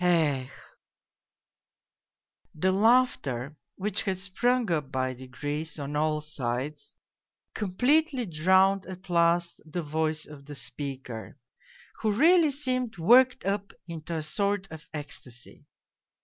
... Ech !" The laughter which had sprung up by degrees on all sides completely drowned at last the voice of the speaker, who really seemed worked up into a sort of ecstasy.